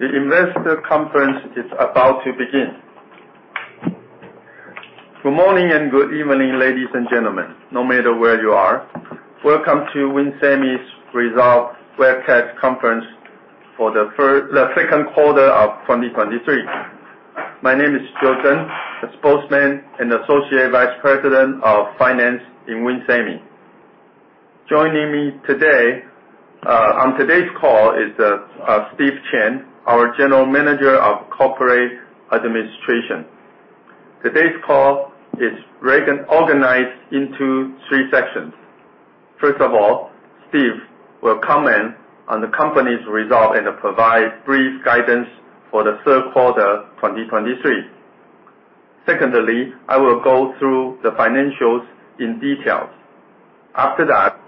Good morning, and good evening, ladies and gentlemen, no matter where you are. Welcome to WIN Semi's Result Webcast Conference for the second quarter of 2023. My name is Joe Tseng, the Spokesperson and Associate Vice President of Finance in WIN Semi. Joining me today on today's call is Steve Chen, our General Manager of Corporate Administration. Today's call is organized into three sections. First of all, Steve will comment on the company's result and provide brief guidance for the third quarter 2023. Secondly, I will go through the financials in details. After that,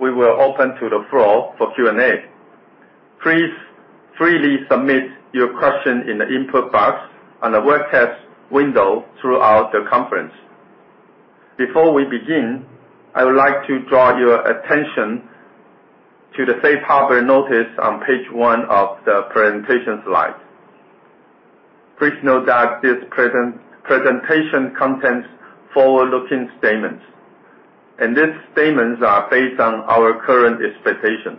we will open to the floor for Q&A. Please freely submit your question in the input box on the webcast window throughout the conference. Before we begin, I would like to draw your attention to the safe harbor notice on page one of the presentation slide. Please note that this presentation contains forward-looking statements, and these statements are based on our current expectations.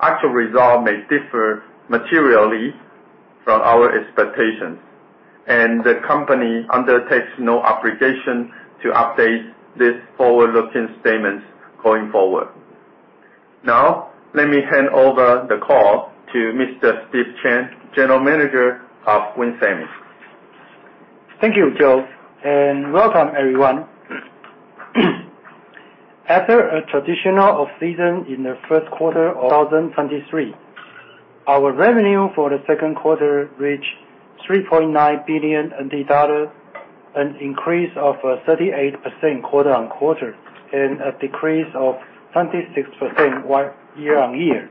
Actual results may differ materially from our expectations, and the company undertakes no obligation to update these forward-looking statements going forward. Now, let me hand over the call to Mr. Steve Chen, General Manager of WIN Semi. Thank you, Joe, and welcome everyone. After a traditional off-season in the first quarter of 2023, our revenue for the second quarter reached 3.9 billion NT dollars, an increase of 38% quarter-on-quarter, and a decrease of 26% year-on-year.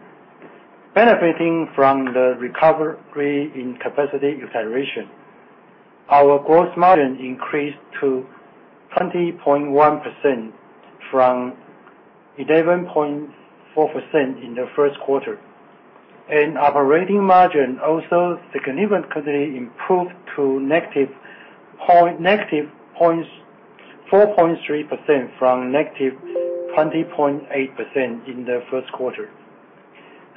Benefiting from the recovery in capacity utilization, our gross margin increased to 20.1% from 11.4% in the first quarter, and operating margin also significantly improved to -4.3% from -20.8% in the first quarter.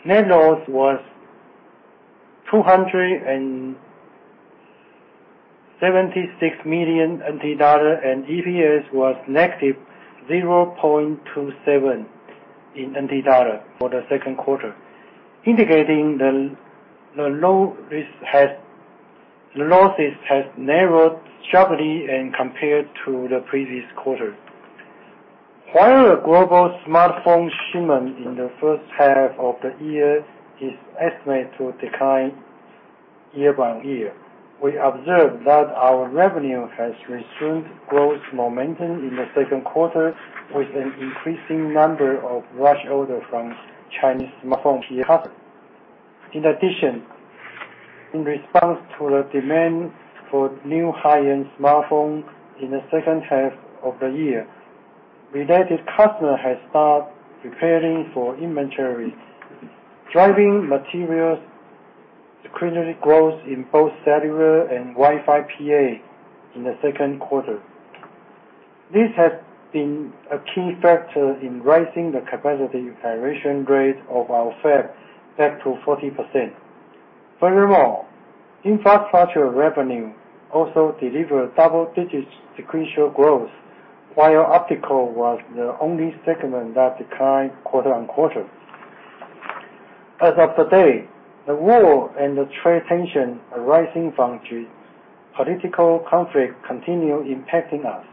Net loss was 276 million NT dollar, and EPS was -0.27 for the second quarter, indicating the, the low risk the losses has narrowed sharply and compared to the previous quarter. While the global smartphone shipment in the first half of the year is estimated to decline year-over-year, we observed that our revenue has resumed growth momentum in the second quarter, with an increasing number of large orders from Chinese smartphone manufacturers. In addition, in response to the demand for new high-end smartphones in the second half of the year, related customer has started preparing for inventories, driving material sequential growth in both cellular and Wi-Fi PA in the second quarter. This has been a key factor in raising the capacity utilization rate of our fab back to 40%. Furthermore, infrastructure revenue also delivered double-digit sequential growth, while optical was the only segment that declined quarter-on-quarter. As of today, the war and the trade tension arising from geopolitical conflict continue impacting us,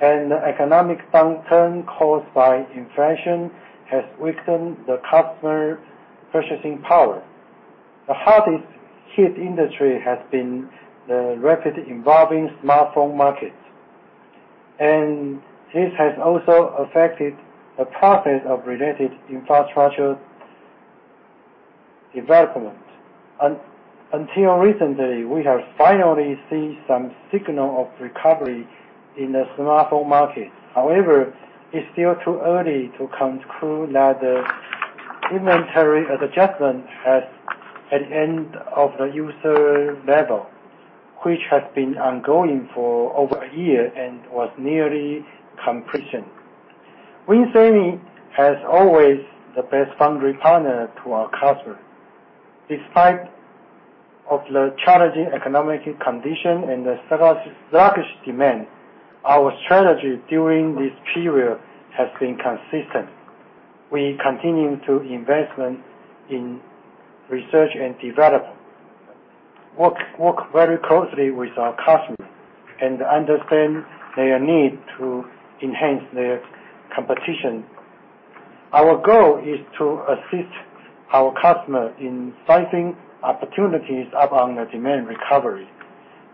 and the economic downturn caused by inflation has weakened the customer's purchasing power. The hardest hit industry has been the rapidly evolving smartphone market, and this has also affected the process of related infrastructure development. Until recently, we have finally seen some signal of recovery in the smartphone market. However, it's still too early to conclude that the inventory adjustment at end of the user level, which has been ongoing for over a year and was nearly completion. WIN Semi, as always, the best foundry partner to our customer. Despite of the challenging economic condition and the sluggish demand, our strategy during this period has been consistent. We continue to investment in research and development, work very closely with our customers, and understand their need to enhance their competition. Our goal is to assist our customers in sizing opportunities up on the demand recovery,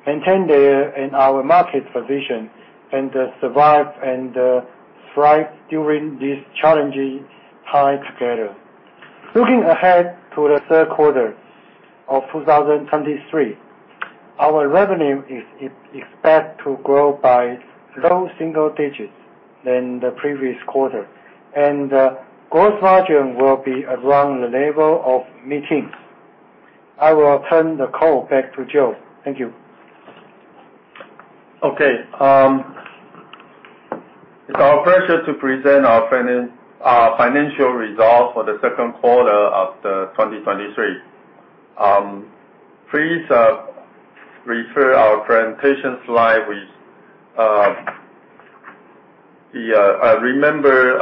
maintain their, in our market position, and survive and thrive during these challenging times together. Looking ahead to the third quarter of 2023. Our revenue is expected to grow by low single digits than the previous quarter, and gross margin will be around the level of mid-teens. I will turn the call back to Joe. Thank you. Okay. It's our pleasure to present our financial results for the second quarter of 2023. Please refer our presentation slide with the remember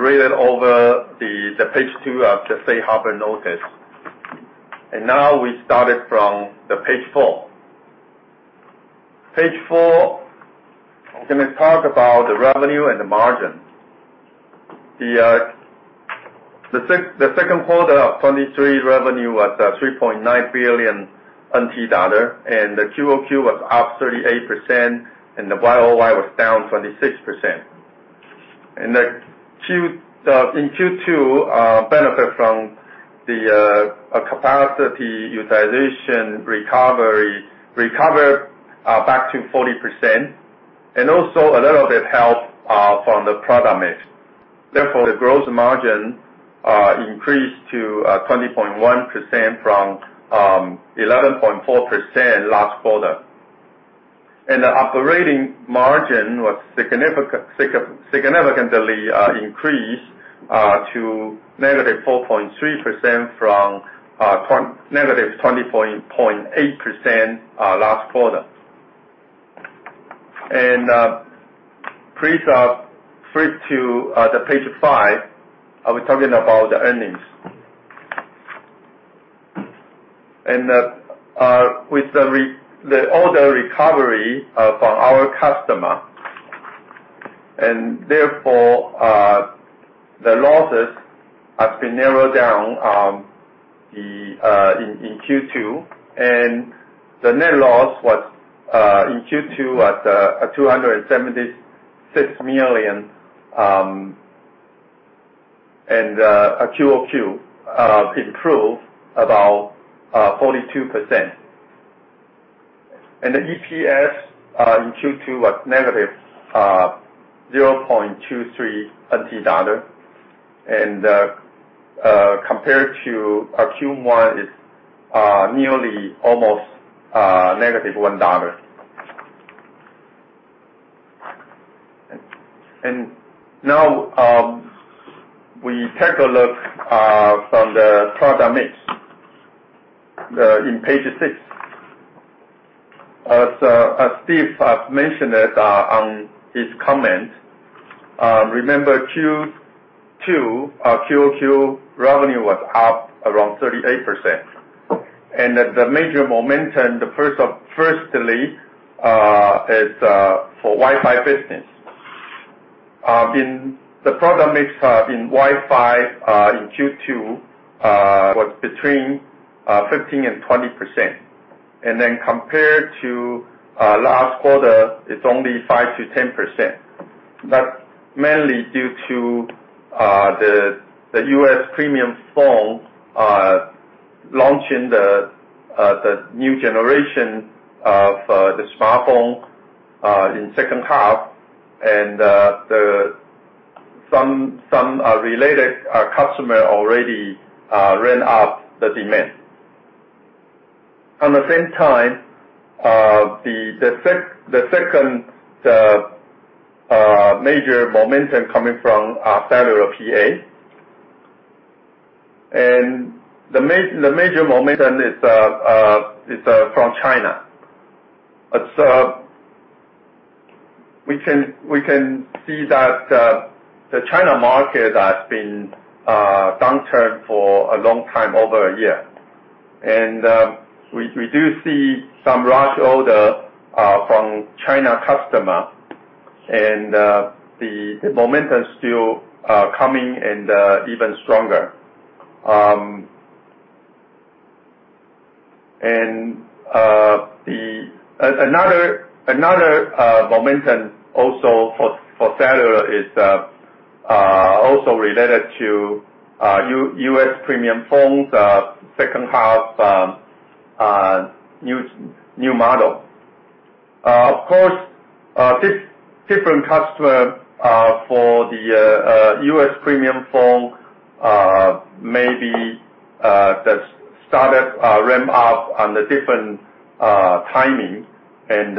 read it over page 2 of the safe harbor notice. Now we started from page 4. I'm gonna talk about the revenue and the margin. The second quarter of 2023 revenue was 3.9 billion NT dollar, and the quarter-on-quarter was up 38%, and the year-on-year was down 26%. In Q2 benefit from the capacity utilization recovery, recovered back to 40% and also a little bit help from the product mix. Therefore, the gross margin increased to 20.1% from 11.4% last quarter. The operating margin was significantly increased to -4.3% from -20.8% last quarter. Please flip to page 5. I'll be talking about the earnings. With the order recovery from our customer, and therefore, the losses have been narrowed down in Q2, and the net loss was in Q2 at 276 million, and quarter-on-quarter improved about 42%. EPS in Q2 was -0.23, and compared to Q1, it's nearly almost -1 dollar. Now we take a look from the product mix in page 6. As Steve has mentioned it, on his comments, remember Q2 quarter-on-quarter revenue was up around 38%. The major momentum, the first of, firstly, is for Wi-Fi business. In the product mix, in Wi-Fi, in Q2, was between 15% and 20%. Compared to last quarter, it's only 5%-10%. That's mainly due to the U.S. premium phone launching the new generation of the smartphone in second half. Some related customer already ran up the demand. On the same time, the second major momentum coming from cellular PA. The major momentum is from China. It's, we can see that, the China market has been downturned for a long time, over a year. We, do see some large order from China customer, and the momentum still coming and even stronger. Another momentum also for cellular is also related to U.S. premium phones, second half, new model. Of course, different customer for the U.S. premium phone, maybe that started ramp up on a different timing. It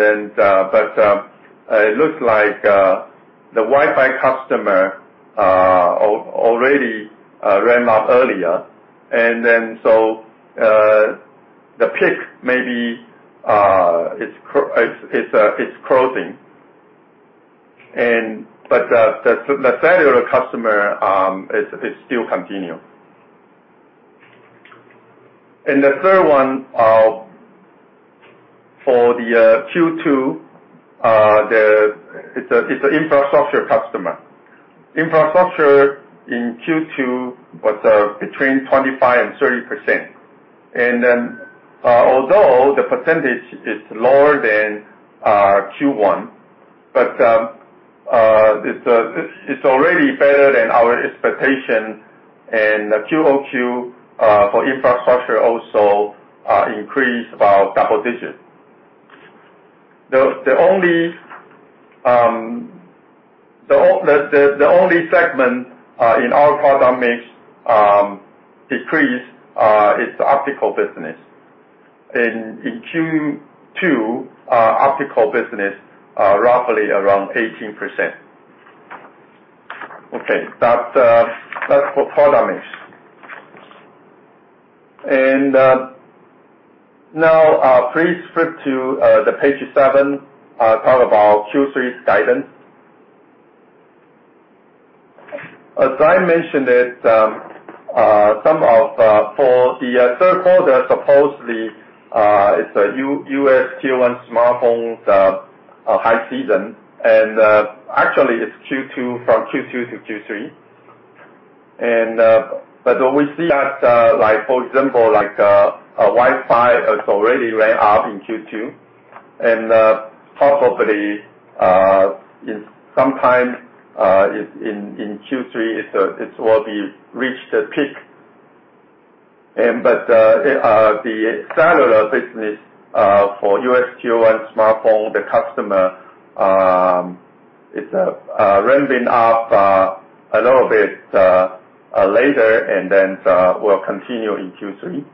looks like the Wi-Fi customer already ramp up earlier, so the peak maybe is closing. The cellular customer still continue. The third one for the Q2, it's a infrastructure customer. Infrastructure in Q2 was between 25% and 30%. Although the percentage is lower than Q1, but it's already better than our expectation, and the quarter-on-quarter for infrastructure also increased about double digits. The only segment in our product mix decreased is the optical business. In Q2, optical business roughly around 18%. Okay, that's for product mix. Now, please flip to the page 7, talk about Q3 guidance. As I mentioned it, some of for the third quarter, supposedly, it's a U.S. Q1 smartphone's a high season, actually, it's Q2, from Q2 to Q3. What we see that, like, for example, like, a Wi-Fi has already ramp up in Q2, possibly, sometime in Q3, it will be reached the peak. The cellular business for U.S. Q1 smartphone, the customer, it's ramping up a little bit later, and then will continue in Q3.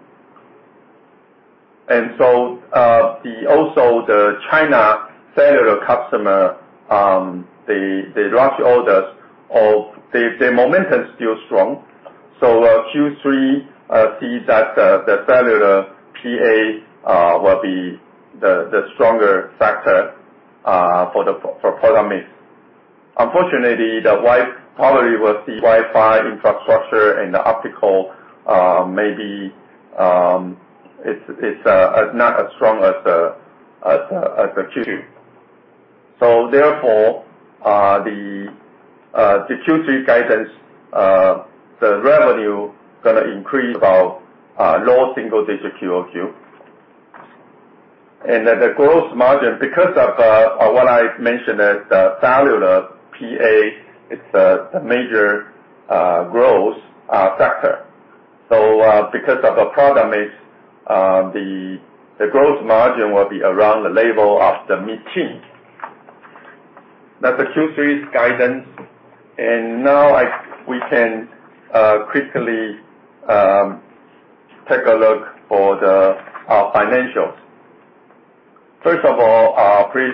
Also the China cellular customer, the large orders of the momentum is still strong. Q3 sees that the cellular PA will be the stronger factor for product mix. Unfortunately, probably will see Wi-Fi infrastructure and the optical maybe not as strong as Q2. Therefore, the Q3 guidance, the revenue gonna increase about low single digit quarter-on-quarter. Then, the gross margin, because of what I mentioned, is the cellular PA, it's the major growth factor. Because of the product mix, the growth margin will be around the level of the mid-teen. That's the Q3's guidance. Now, we can quickly take a look for the financials. First of all, please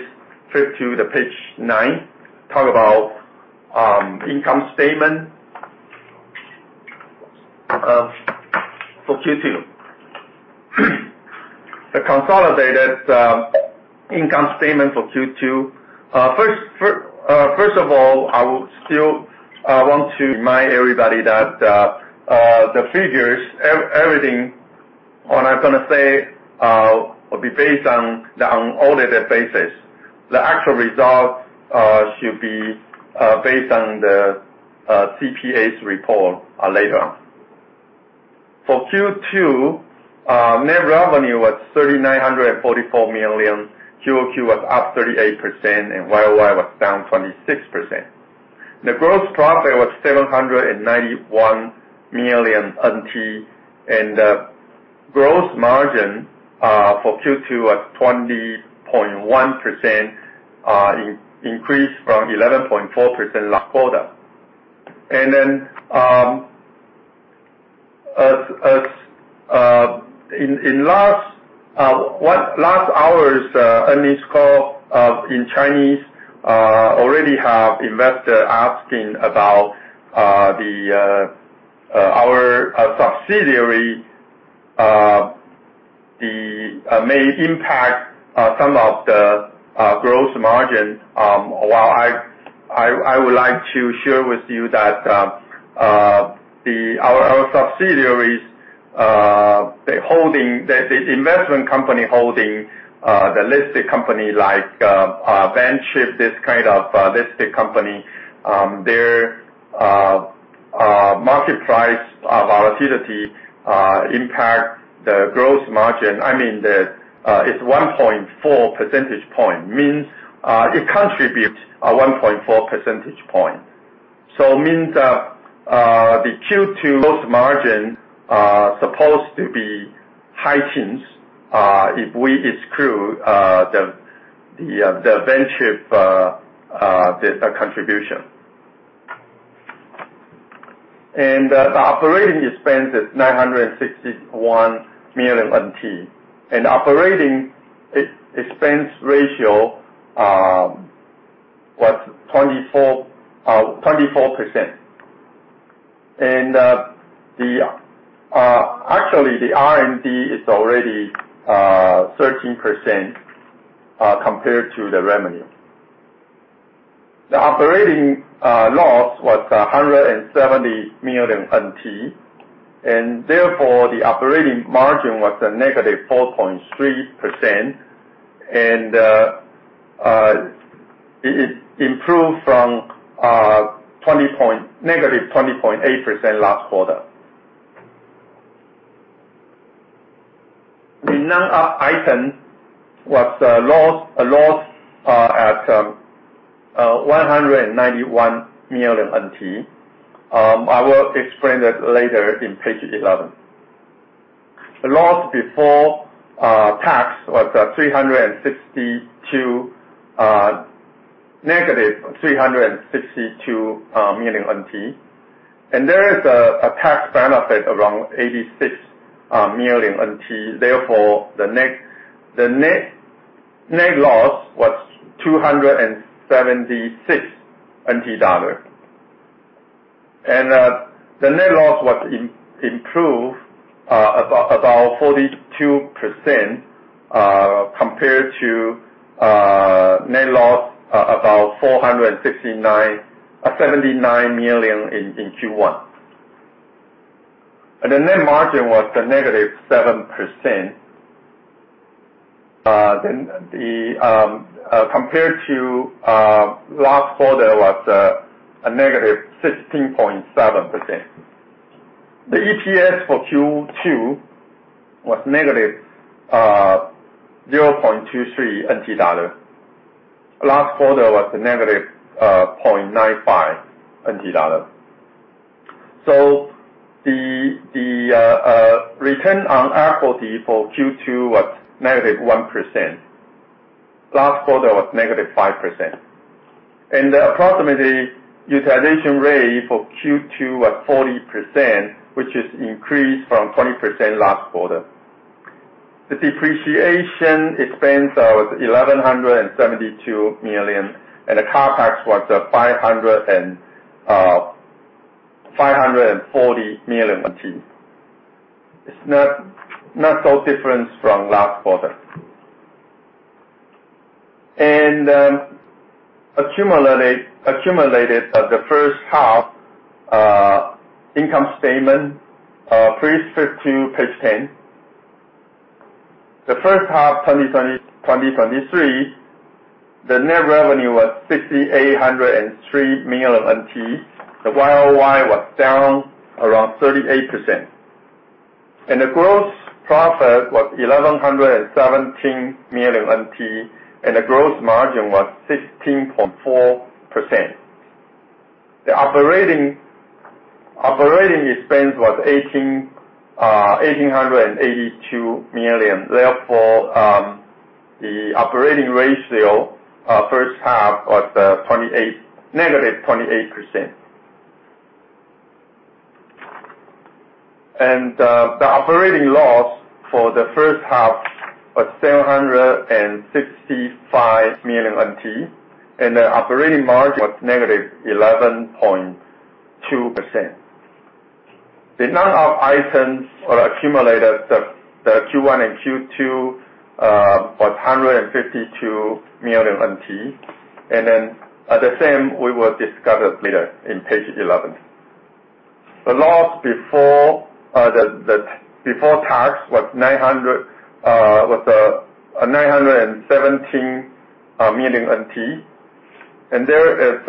flip to page 9, talk about income statement for Q2. The consolidated income statement for Q2. First of all, I would still want to remind everybody that the figures, everything, what I'm gonna say, will be based on the unaudited basis. The actual results should be based on the CPA's report later on. For Q2, net revenue was 3,944 million. quarter-on-quarter was up 38% and year-on-year was down 26%. The gross profit was 791 million NT, the gross margin for Q2 was 20.1%, increased from 11.4% last quarter. As in last hour's earnings call in Chinese, already have investor asking about our subsidiary, may impact some of the gross margin. Well, I would like to share with you that our subsidiaries, they're holding the investment company holding the listed company, like Venture, this kind of listed company. Their market price volatility impact the gross margin, I mean, it's 1.4 percentage point, means it contributes a 1.4 percentage point. Means that, the Q2 gross margin supposed to be high teens, if we exclude the, the, the Venture contribution. The operating expense is 961 million NT, and operating expense ratio was 24%. Actually, the R&D is already 13% compared to the revenue. The operating loss was 170 million NT, and therefore, the operating margin was -4.3%, and it improved from -20.8% last quarter. The non-op item was a loss at 191 million NT. I will explain that later in page 11. The loss before tax was -362 million NT. There is a tax benefit around 86 million NT. Therefore, the net loss was 276 million NT dollar. The net loss was improved about 42% compared to net loss, about 479 million in Q1. The net margin was -7%. Compared to last quarter was a -16.7%. The EPS for Q2 was -TWD 0.23. Last quarter was a -0.95. The return on equity for Q2 was -1%. Last quarter was -5%. The approximately utilization rate for Q2 was 40%, which is increased from 20% last quarter. The depreciation expense was 1,172 million, and the CapEx was 540 million. It's not, not so different from last quarter. Accumulated at the first half income statement, please flip to page 10. The first half of 2023, the net revenue was 6,803 million NT. The year-on-year was down around 38%. The gross profit was 1,117 million NT, and the gross margin was 16.4%. The operating, operating expense was 1,882 million. Therefore, the operating ratio, first half was -28%. The operating loss for the first half was 765 million NT, and the operating margin was -11.2%. The non-op items are accumulated, the Q1 and Q2 was 152 million NT. The same we will discuss it later in page 11. The loss before tax was 917 million NT. There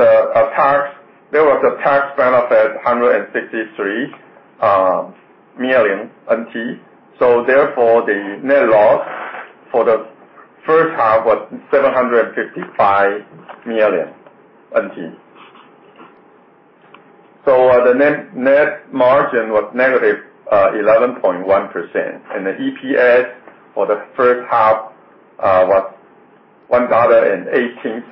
was a tax benefit, 163 million NT. The net loss for the first half was 755 million NT. The net, net margin was -11.1%, and the EPS for the first half was TWD 1.18.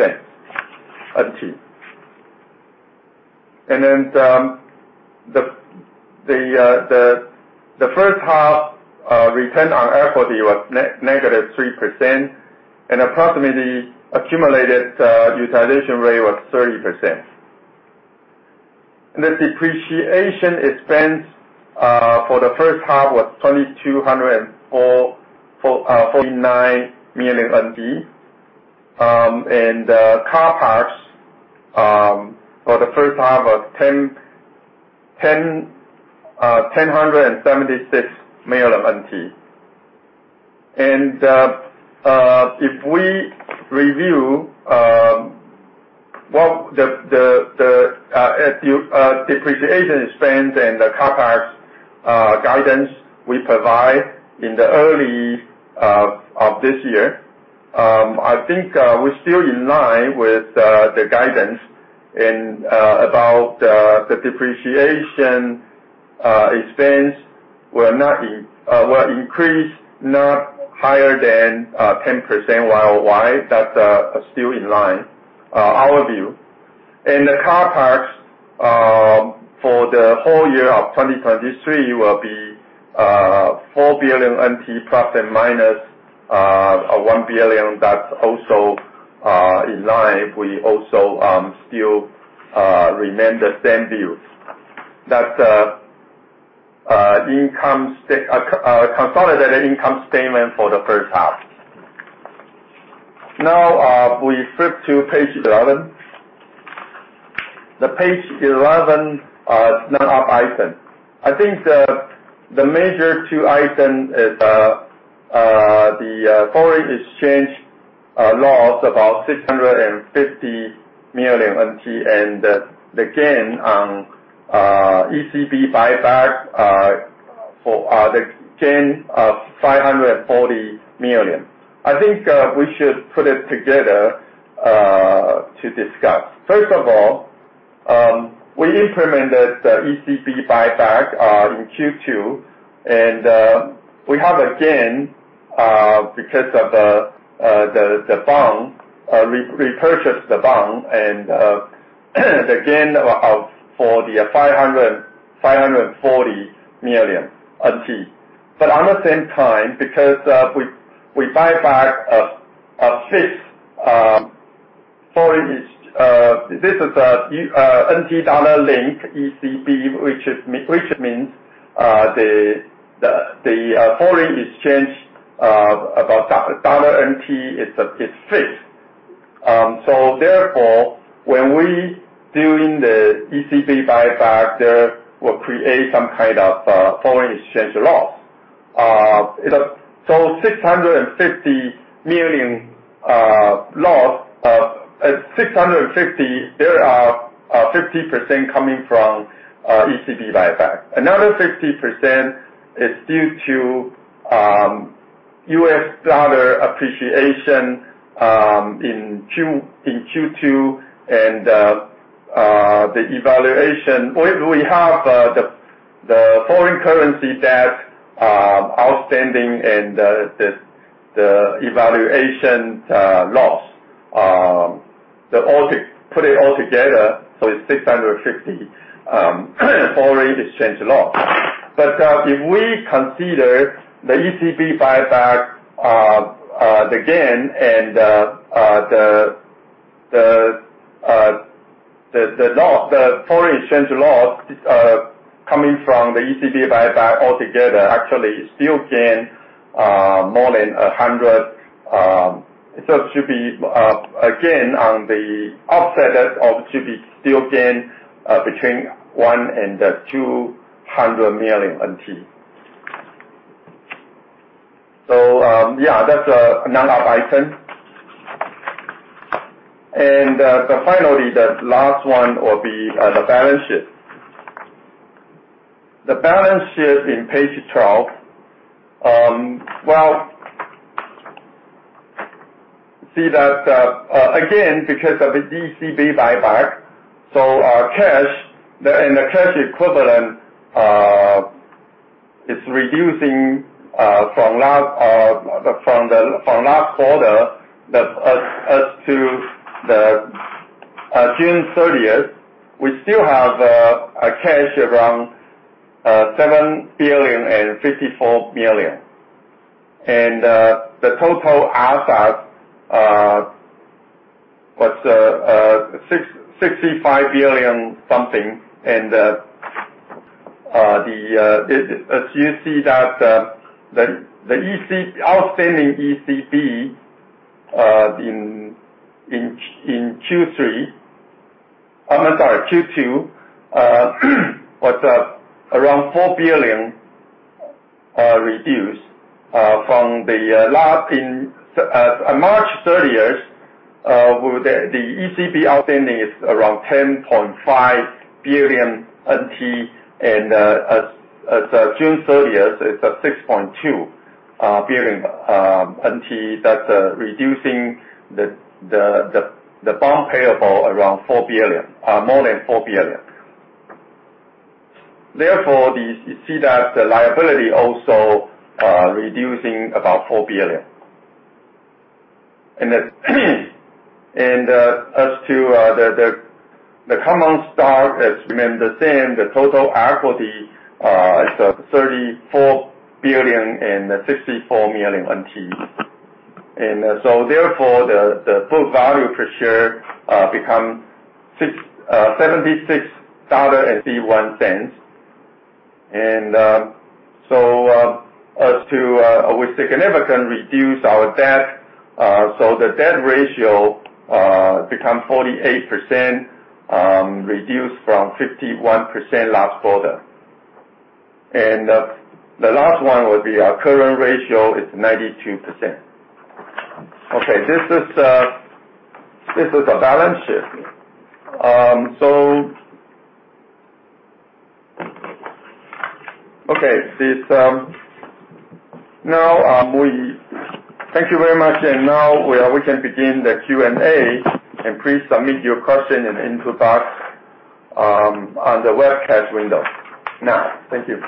The first half return on equity was -3%, and approximately accumulated utilization rate was 30%. The depreciation expense for the first half was 2,249 million NT. CapEx for the first half was 1,076 million NT. If we review what the depreciation expense and the CapEx guidance we provide in the early of this year, I think we're still in line with the guidance about the depreciation expense will not increase not higher than 10% year-on-year. That's still in line our view. The CapEx for the whole year of 2023 will be 4 billion NT ± 1 billion. That's also in line. We also still remain the same views. That's consolidated income statement for the first half. We flip to page 11. Page 11, non-op item. I think the major two item is the foreign exchange loss about 650 million NT, and the gain on ECB buyback for the gain of 540 million. I think we should put it together to discuss. First of all, we implemented the ECB buyback in Q2, and we have a gain because of the bond re-repurchase the bond and the gain of, for the 540 million NT. At the same time, because we buy back a fifth, this is a TWD-linked ECB, which means the foreign exchange about TWD is fixed. Therefore, when we doing the ECB buyback, there will create some kind of foreign exchange loss. TWD 650 million loss. At 650, there are 50% coming from ECB buyback. Another 50% is due to U.S. dollar appreciation in Q2, and the evaluation. We have the foreign currency debt outstanding and the evaluation loss. The all together, put it all together, it's 650 foreign exchange loss. If we consider the ECB buyback, the gain and the loss, the foreign exchange loss, coming from the ECB buyback altogether actually still gain more than 100. It should be again, on the offset that of should be still gain between 100 million and 200 million NT. Yeah, that's another item. Finally, the last one will be the balance sheet. The balance sheet in page 12, well, see that again, because of the ECB buyback, so our cash, the in the cash equivalent, is reducing from last, from the, from last quarter that as to the June 30th, we still have a cash around 7 billion and 54 million. And the total assets was TWD 65 billion-something, and as you see that the outstanding ECB in Q2, was around 4 billion, reduce from the last in March 30th, with the ECB outstanding is around 10.5 billion NT, and as of June 30th, it's at 6.2 billion NT. That's reducing the bond payable around 4 billion, more than 4 billion. Therefore, the you see that the liability also reducing about TWD 4 billion. As to the common stock is remain the same. The total equity is 34 billion and 64 million NT. Therefore, the book value per share become 76.01 dollars. As to with significant reduce our debt, so the debt ratio become 48%, reduced from 51% last quarter. The last one would be our current ratio is 92%. Okay, this is, this is a balance sheet. Okay, we thank you very much, and now we can begin the Q&A. Please submit your question in the input box on the webcast window now. Thank you.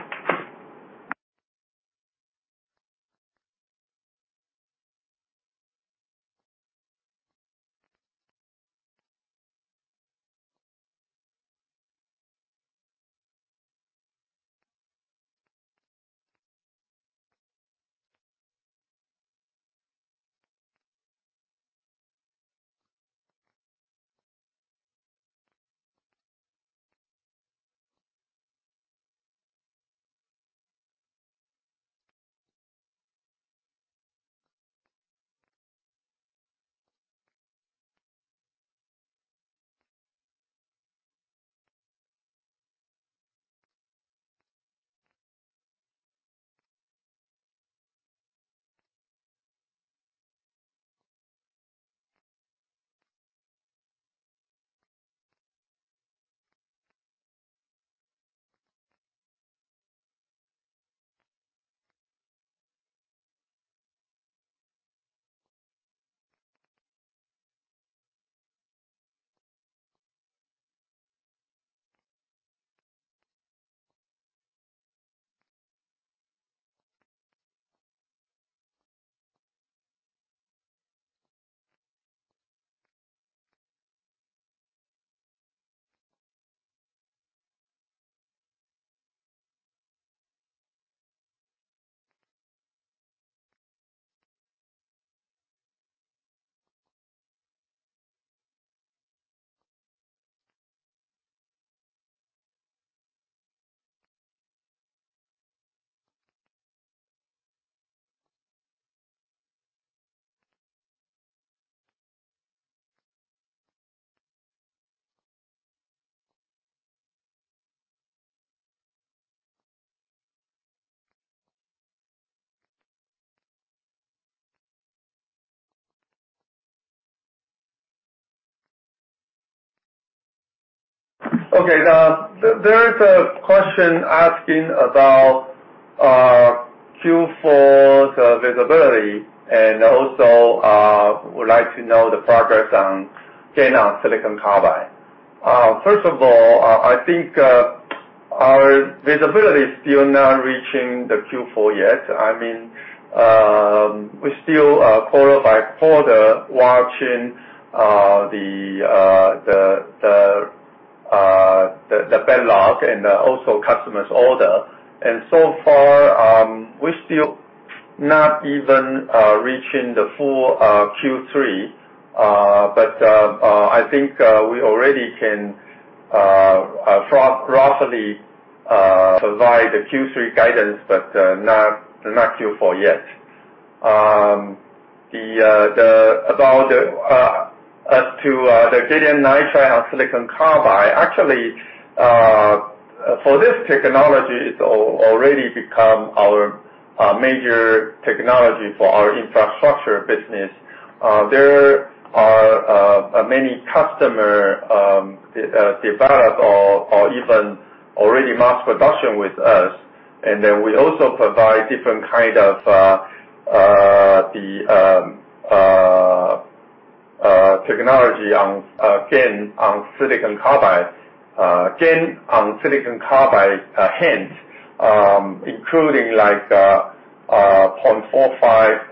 Okay, there, there is a question asking about Q4's visibility, and also would like to know the progress on GaN on silicon carbide. First of all, I think our visibility is still not reaching the Q4 yet. I mean, we still quarter-by-quarter, watching the backlog and also customers' order. So far, we still not even reaching the full Q3. But I think we already can roughly provide the Q3 guidance, but not Q4 yet. The gallium nitride and silicon carbide are actually, for this technology, it's already become our major technology for our infrastructure business. There are many customer develop or even already mass production with us, and then we also provide different kind of, the, technology on GaN on silicon carbide. GaN on silicon carbide, GaN, including like 0.45,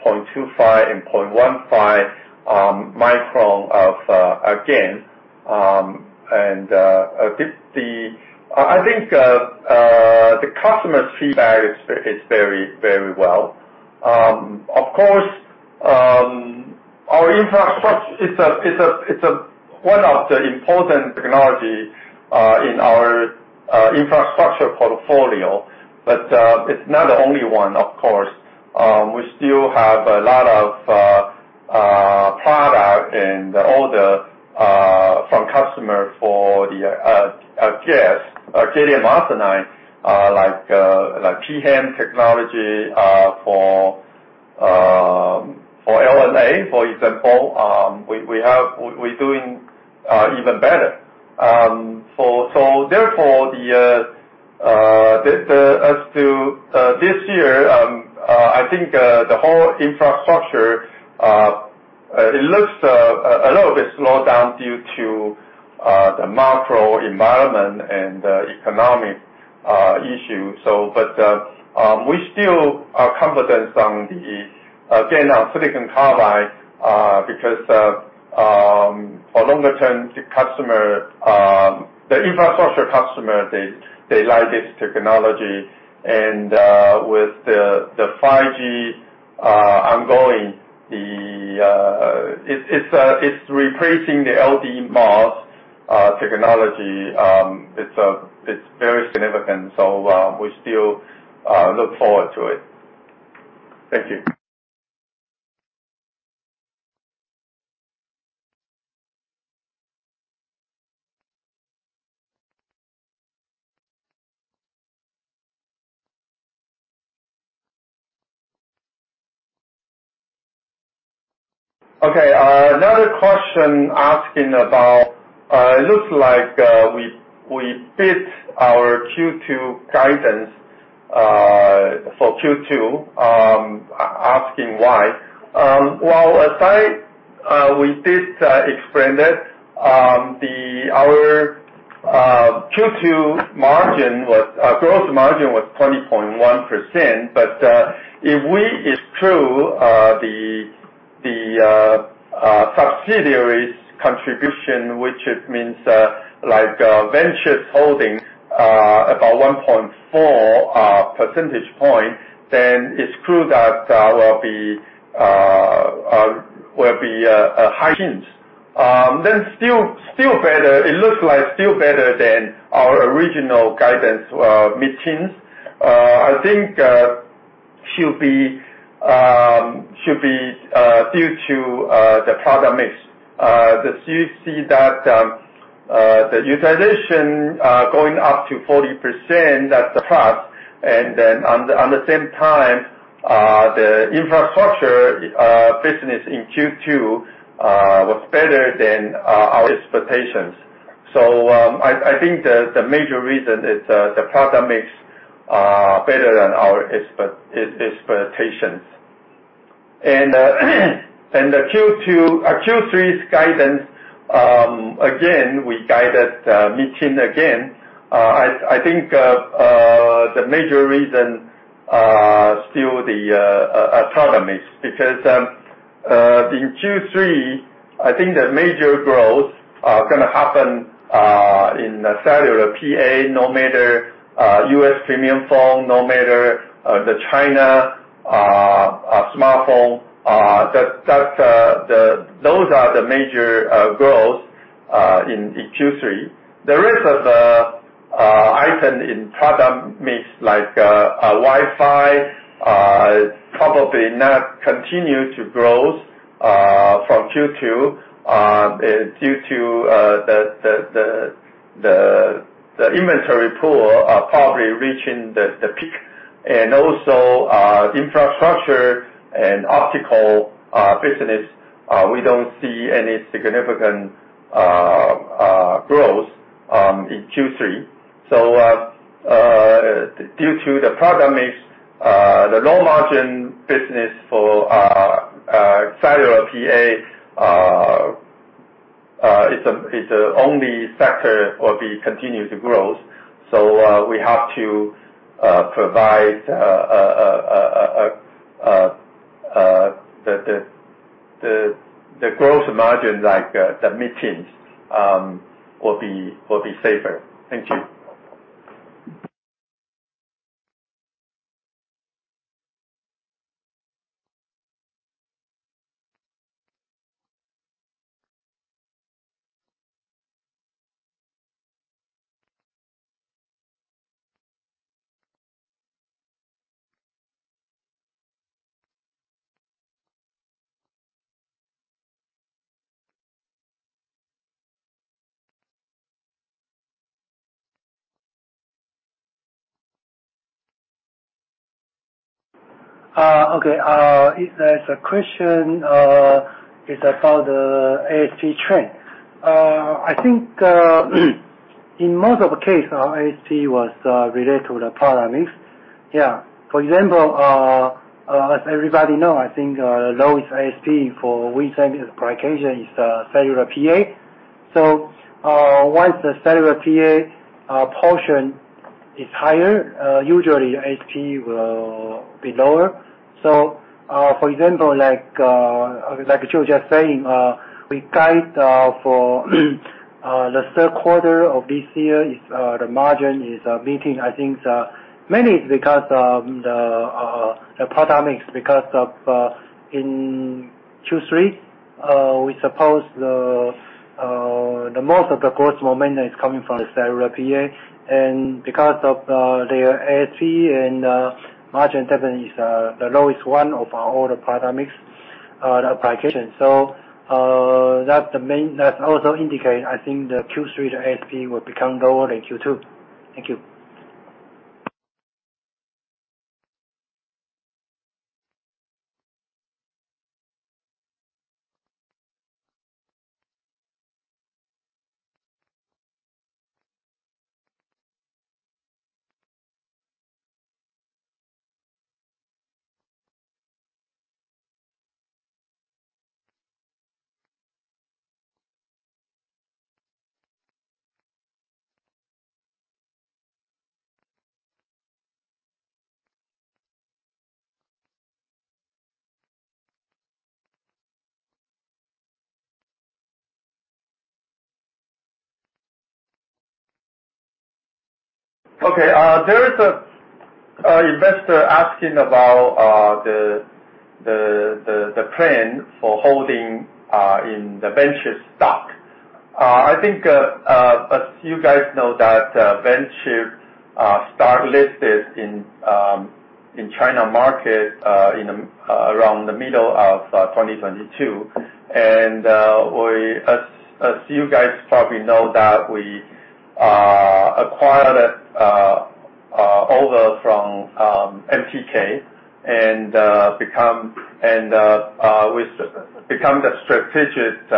0.25, and 0.15 micron of a GaN. And, the customer's feedback is very, very well. Of course, our infrastructure, it's one of the important technology in our infrastructure portfolio, but it's not the only one, of course. We still have a lot ofproduct and order from customer for the GaAs, or gallium arsenide, like pHEMT technology, for LNAs, for example. We have, we are doing even better. Therefore, this year, I think the whole infrastructure, it looks a little bit slowed down due to the macro environment and the economic issue. But we still are confident on the GaN on silicon carbide, because for longer term, the customer, the infrastructure customer, they like this technology. And with the 5G ongoing, it is replacing the LTE modules technology very significant, so we still look forward to it. Thank you. Another question asking about it looks like we beat our Q2 guidance for Q2 asking why. Well, as we did explain it, the our Q2 margin was gross margin was 20.1%, but if we exclude the subsidiaries contribution, which it means like Venture Corporation Limited holding about 1.4 percentage point, then exclude that will be will be high gains. Still better, it looks like still better than our original guidance mid-teens. I think should be due to the product mix. You see that the utilization going up to 40%, that's the plus. On the, on the same time, the infrastructure business in Q2 was better than our expectations. I think the major reason is the product mix better than our expectations. The Q2 or Q3's guidance, again, we guided mid-teens again. I think the major reason still the product mix, because in Q3, I think the major growth gonna happen in the cellular PA, no matter U.S. premium phone, no matter the China smartphone. Those are the major growth in Q3. The rest of the item in product mix, like a Wi-Fi, probably not continue to grow from Q2, due to the inventory pool are probably reaching the peak. Also, infrastructure and optical business, we don't see any significant growth in Q3. Due to the product mix, the low margin business for cellular PA is the only sector will be continued to growth. We have to provide the growth margin, like the mid-teens, will be safer. Thank you. Okay, there's a question is about the ASP trend. I think, in most of the case, our ASP was related to the product mix. For example, as everybody know, I think, lowest ASP for recent application is cellular PA. Once the cellular PA portion is higher, usually ASP will be lower. For example, like Joe just saying, we guide for the third quarter of this year, the margin is meeting. I think, mainly it's because of the product mix, because in Q3, we suppose the most of the growth momentum is coming from the cellular PA. Because of their ASP and margin definitely is the lowest one of our all the product mix application. That also indicate, I think the Q3, the ASP, will become lower than Q2. Thank you. Okay, there is an investor asking about the plan for holding in the Vanchip stock. I think, as you guys know, that Vanchip stock listed in China market in the around the middle of 2022. As, as you guys probably know, we acquired over from MTK, become, we become the strategic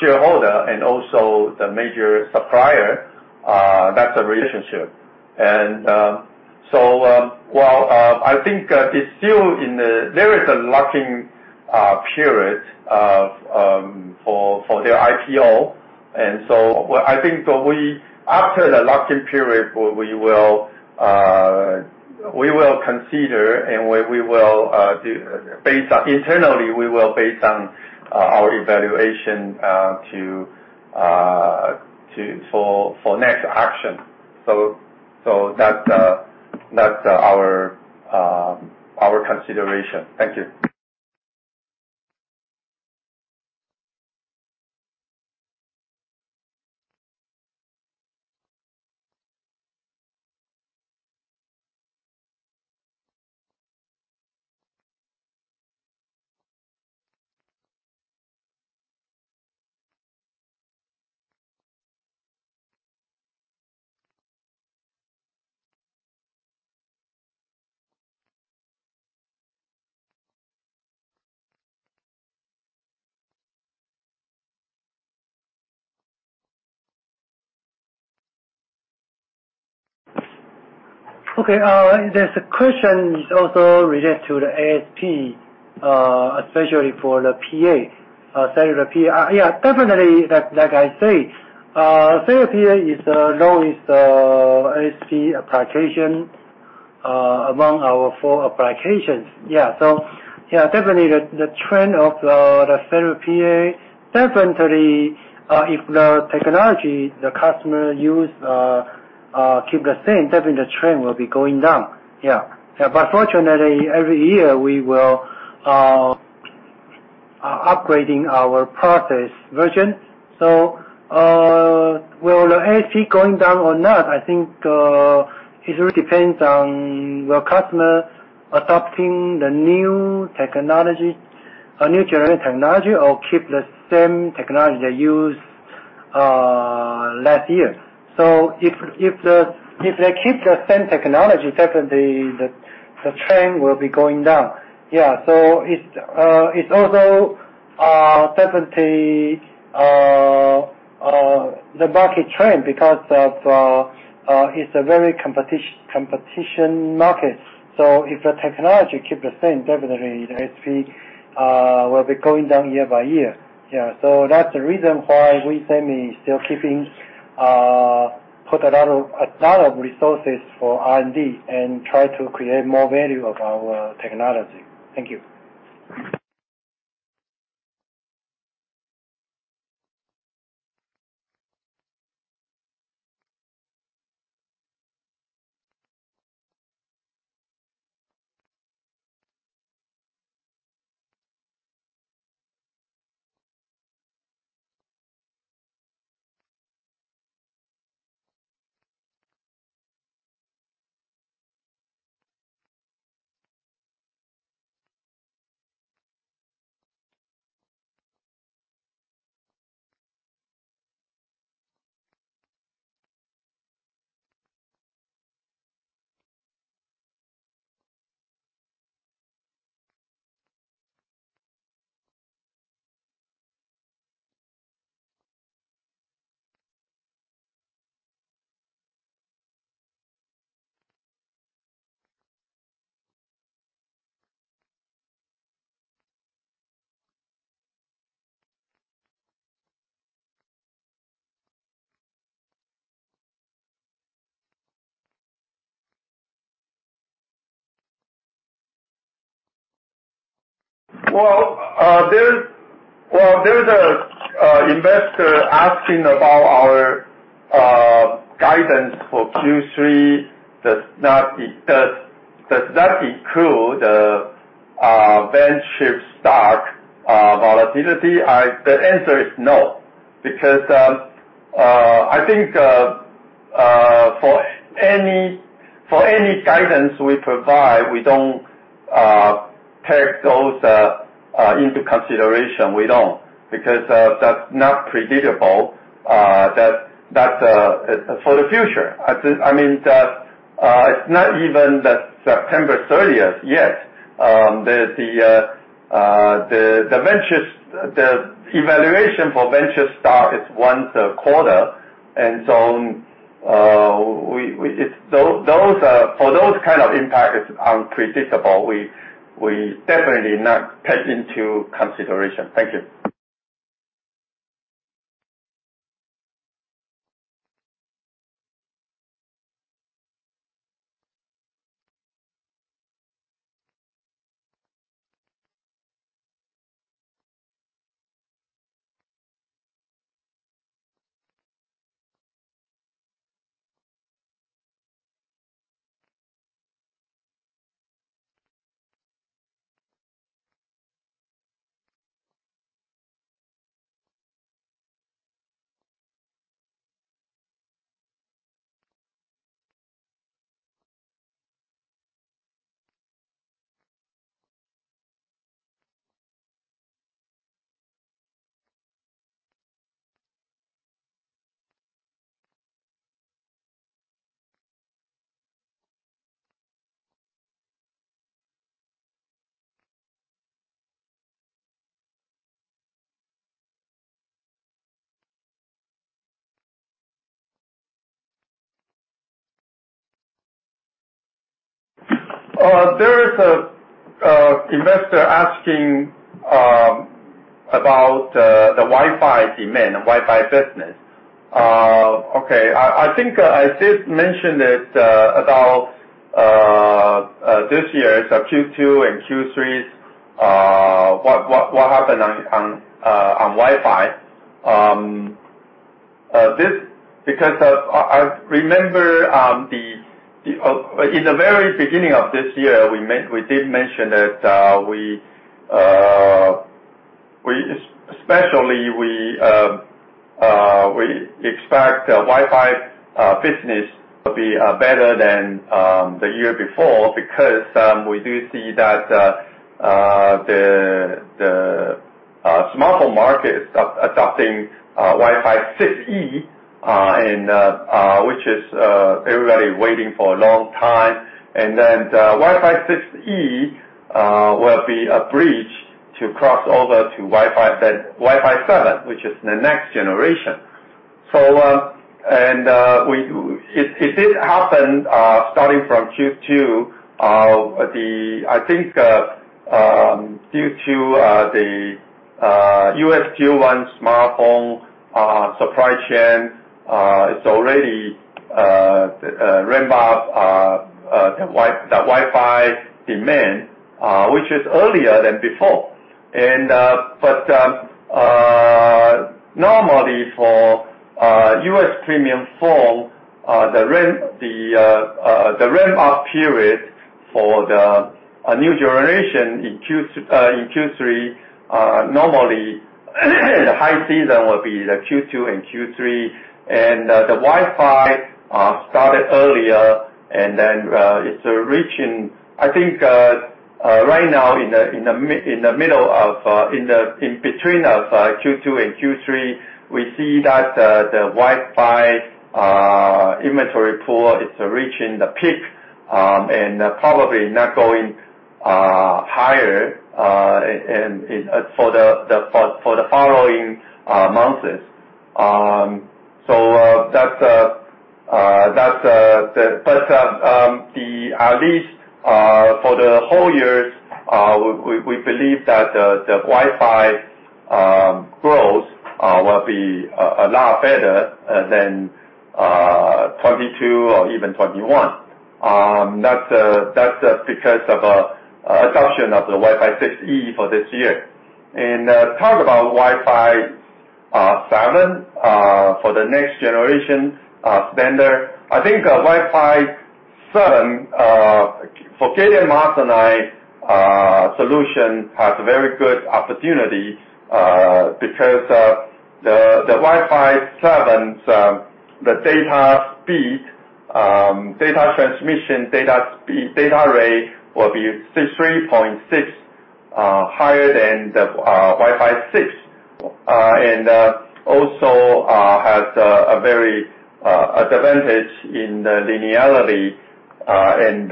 shareholder and also the major supplier, that's the relationship. Well, I think it's still in. There is a locking period for their IPO. So I think we, after the locking period, we will consider, and we will do based on internally, we will base on, our evaluation for next action. So, that's our consideration. Thank you. Okay, there's a question is also related to the ASP, especially for the PA, cellular PA. Yeah, definitely, like, like I say, cellular PA is the lowest ASP application among our four applications. Yeah, definitely, the trend of the cellular PA, definitely, if the technology the customer use, keep the same, definitely the trend will be going down. Yeah. Fortunately, every year, we will upgrading our process version. Will the ASP going down or not? I think, it really depends on the customer adopting the new technology, a new generation technology, or keep the same technology they use last year. If they keep the same technology, definitely the trend will be going down. It's also, definitely the market trend because of, it's a very competition market. If the technology keep the same, definitely the ASP will be going down year by year. That's the reason why we semi still keeping, put a lot of resources for R&D and try to create more value of our technology. Thank you. Well, there's an investor asking about our guidance for Q3. Does that include Venture stock volatility? The answer is no, because for any, for any guidance we provide, we don't take those into consideration. We don't, because that's not predictable for the future. I think, I mean, that it's not even the September 30th yet. The Venture's, the evaluation for Venture stock is once a quarter, so for those kind of impact, it's unpredictable. We definitely not take into consideration. Thank you. There is an investor asking about the Wi-Fi demand, Wi-Fi business. Okay, I think I did mention it about this year's Q2 and Q3, what happened on Wi-Fi. This, because I remember, in the very beginning of this year, we did mention that especially we expect Wi-Fi business to be better than the year before, because we do see that the smartphone market adopting Wi-Fi 6E, and which is everybody waiting for a long time. Then Wi-Fi 6E will be a bridge to cross over to Wi-Fi 7, which is the next generation. If it happened, starting from Q2, I think, due to the U.S. Q1 smartphone supply chain, it's already ramped up the Wi-Fi demand, which is earlier than before. Normally for U.S. premium phone, the ramp, the ramp-up period for a new generation in Q3, normally, the high season will be the Q2 and Q3. The Wi-Fi started earlier, and then it's reaching, I think, right now, in the middle of, in between of, Q2 and Q3, we see that the Wi-Fi inventory pool is reaching the peak, and probably not going higher, and for the following months. That's the but, at least, for the whole years, we believe that the Wi-Fi growth will be a lot better than 2022 or even 2021. That's because of adoption of the Wi-Fi 6E for this year. Talk about Wi-Fi 7 for the next generation standard. I think Wi-Fi 7 for gallium arsenide solution has very good opportunity because the Wi-Fi 7's data speed, data transmission, data speed, data rate will be 6.36 higher than the Wi-Fi 6. Also, has a very advantage in the linearity and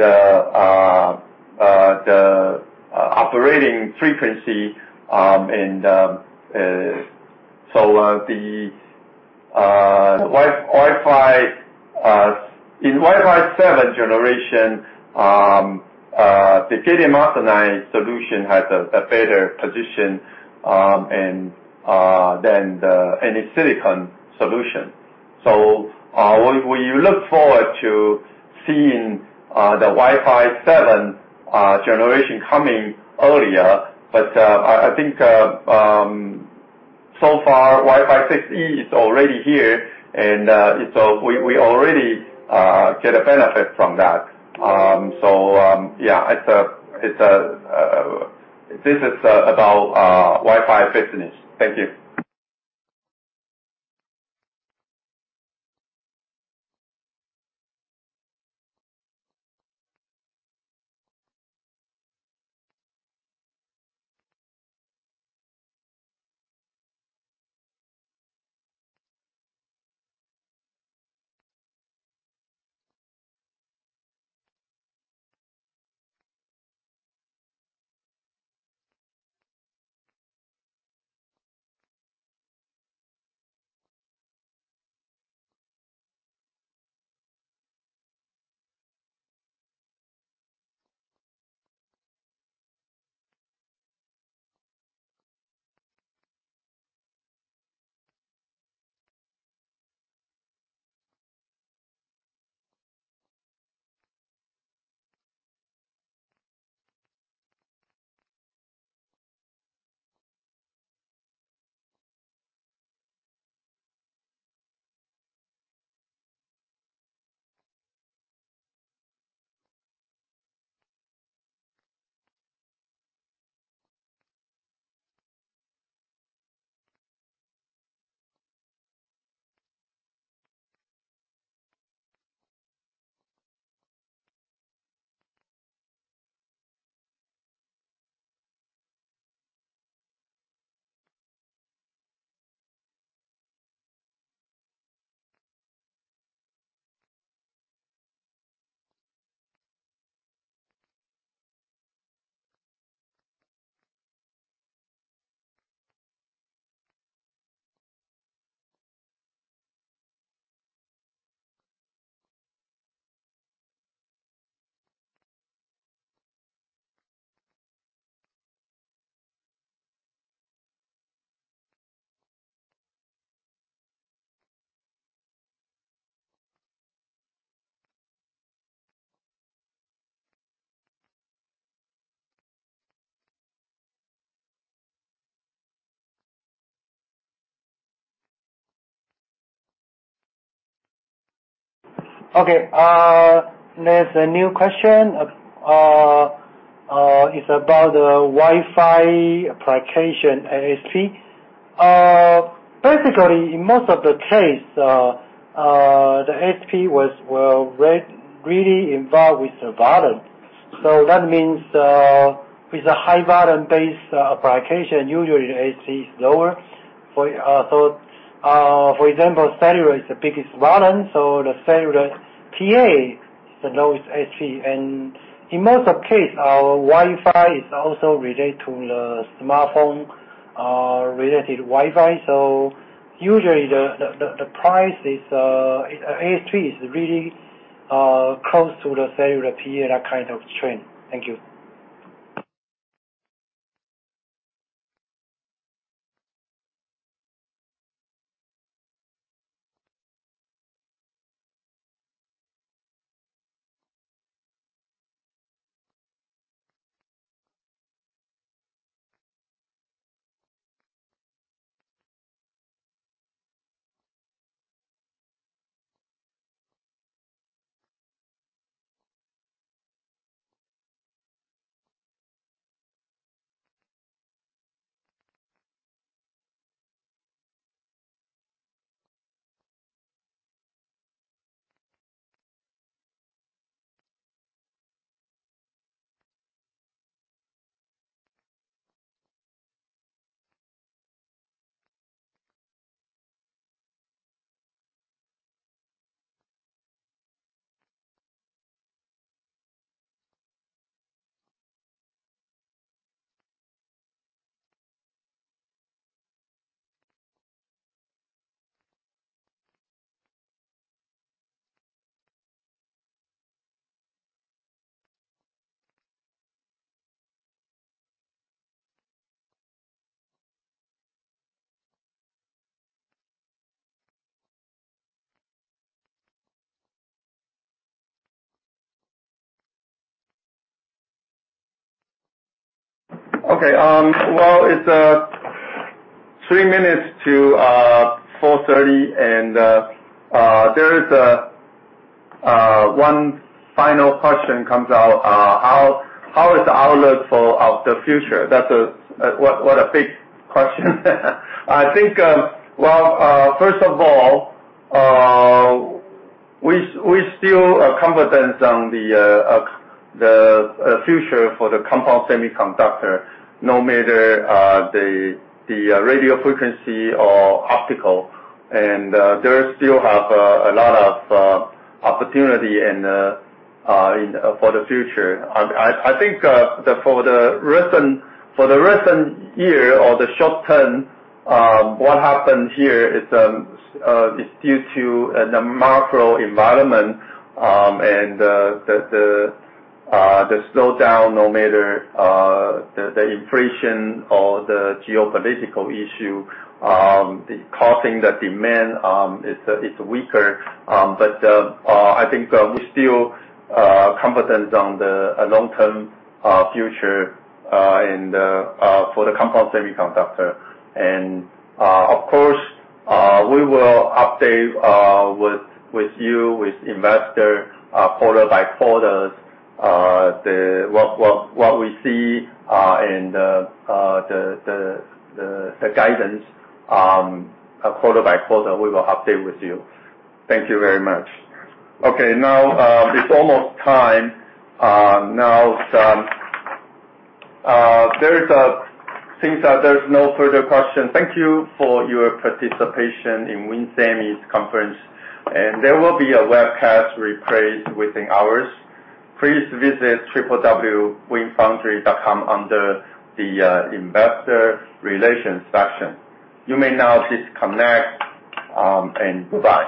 the operating frequency. The Wi-Fi in Wi-Fi 7 generation, the gallium arsenide solution has a better position than any silicon solution. We look forward to seeing the Wi-Fi 7 generation coming earlier. I think, so far, Wi-Fi 6E is already here, we already get a benefit from that. Yeah, this is about Wi-Fi business. Thank you. Okay, there's a new question. It's about the Wi-Fi application ASP. Basically, in most of the case, the ASP was really involved with the volume. That means, with a high volume-based application, usually the ASP is lower. For example, cellular is the biggest volume, so the cellular PA is the lowest ASP. In most of case, our Wi-Fi is also related to the smartphone, related Wi-Fi. Usually, the price is, ASP is really close to the cellular PA, that kind of trend. Thank you. Okay, well, it's 3 minutes to 4:30 P.M., and there is a one final question comes out. How, how is the outlook for, of the future? What a big question. I think, well, first of all, we still are confident on the future for the compound semiconductor, no matter the radio frequency or optical, and there still have a lot of opportunity in for the future. I think that for the recent, for the recent year or the short term, what happened here is, is due to the macro environment, and the slowdown, no matter the inflation or the geopolitical issue, causing the demand is, is weaker. I think we still confident on the long-term future, and for the compound semiconductor. Of course, we will update, with you, with investor, quarter-by-quarters, what we see, and, the guidance, quarter-by-quarter, we will update with you. Thank you very much. Okay, now, it's almost time. Now, seems that there's no further question. Thank you for your participation in WIN Semi's conference, and there will be a webcast replay within hours. Please visit www.winfoundry.com under the Investor Relations section. You may now disconnect, and goodbye.